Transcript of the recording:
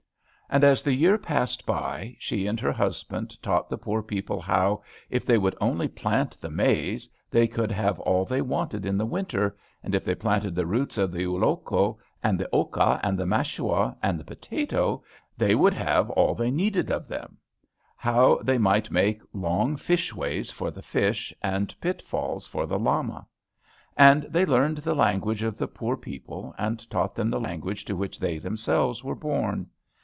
And as the year passed by, she and her husband taught the poor people how, if they would only plant the maize, they could have all they wanted in the winter, and if they planted the roots of the ulloco, and the oca, and the mashua, and the potato, they would have all they needed of them; how they might make long fish ways for the fish, and pitfalls for the llama. And they learned the language of the poor people, and taught them the language to which they themselves were born.